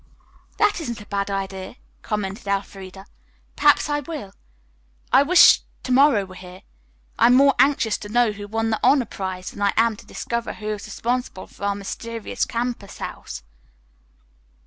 "That isn't a bad idea," commented Elfreda. "Perhaps I will. I wish to morrow were here. I am more anxious to know who won the honor prize than I am to discover who is responsible for our mysterious campus house."